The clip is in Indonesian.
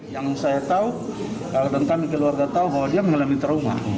yang saya tahu keluarga tahu bahwa dia mengalami trauma